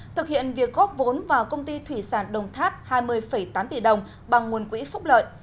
thực hiện việc góp vốn vào công ty thủy sản đồng tháp hai mươi tám tỷ đồng bằng nguồn quỹ phúc lợi